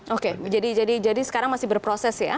oke jadi sekarang masih berproses ya